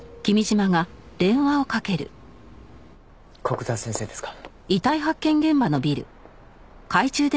古久沢先生ですか？